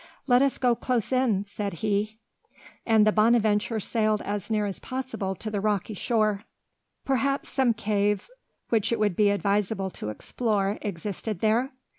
"Let us go close in," said he. And the Bonadventure sailed as near as possible to the rocky shore. Perhaps some cave, which it would be advisable to explore, existed there?